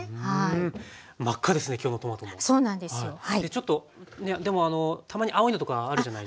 ちょっとねでもたまに青いのとかあるじゃないですか。